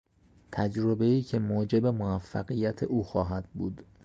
تجربهای که موجب موفقیت او خواهد بود